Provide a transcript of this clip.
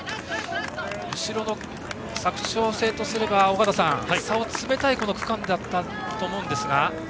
後ろの佐久長聖とすれば差を詰めたい区間だったと思いますが。